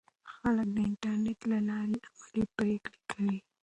خلک د انټرنیټ له لارې علمي پریکړې کوي.